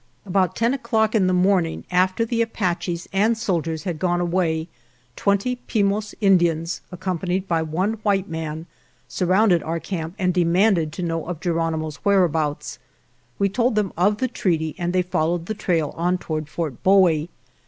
About ten o'clock on the morning after the Apaches and soldiers had gone away twenty Pimos Indians, accompanied by one white man, surrounded our camp and de manded to know of Geronimo's where abouts. We told them of the treaty and they followed the trail on toward Fort Bowie.